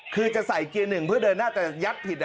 คือจะใส่เกียร์๑เพื่อเดินหน้าแต่ยักษ์ผิด